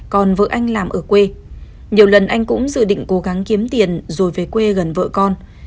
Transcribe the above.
còn vợ anh làm ở quê nhiều lần anh cũng dự định cố gắng kiếm tiền rồi về quê gần vợ con